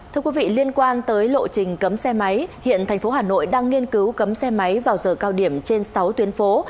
thưa quý vị liên quan tới lộ trình cấm xe máy hiện thành phố hà nội đang nghiên cứu cấm xe máy vào giờ cao điểm trên sáu tuyến phố